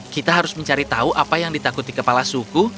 kita harus mencari tahu apa yang ditakuti kepala suku